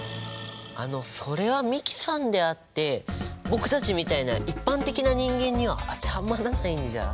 あのそれは美樹さんであって僕たちみたいな一般的な人間には当てはまらないんじゃ。